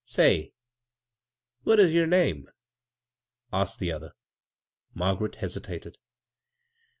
"Say, what is yer name?" asked the other. Margaret hesitated.